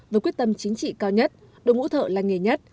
với quyết tâm chính trị cao nhất đồng hữu thợ là nghề nhất